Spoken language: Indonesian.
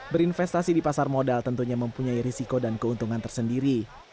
berinvestasi di pasar modal tentunya mempunyai risiko dan keuntungan tersendiri